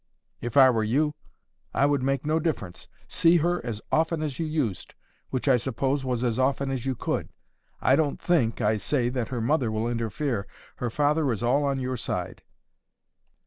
"If I were you, I would make no difference. See her as often as you used, which I suppose was as often as you could. I don't think, I say, that her mother will interfere. Her father is all on your side."